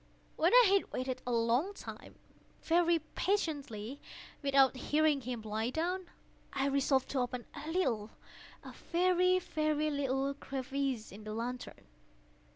When I had waited a long time, very patiently, without hearing him lie down, I resolved to open a little—a very, very little crevice in the lantern.